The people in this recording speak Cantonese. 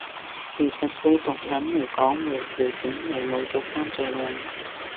其實對毒撚嚟講無條件係冇着衫最靚